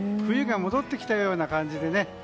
冬が戻ってきたような感じでね。